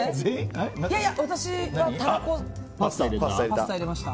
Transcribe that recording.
いや、私がたらこのパスタ入れました。